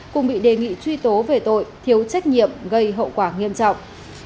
cùng bị đề nghị truy tố về tội thiếu trách nhiệm gây hậu quả nghiêm trọng